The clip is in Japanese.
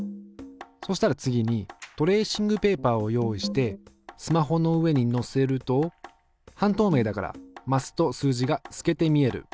そしたら次にトレーシングペーパーを用意してスマホの上に載せると半透明だからマスと数字が透けて見える。